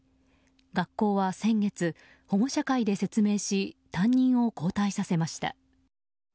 学校は先月保護者会で説明し担任を交代させました。